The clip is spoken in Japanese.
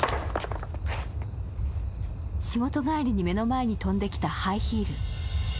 仕事帰りに目の前に飛んできたハイヒール。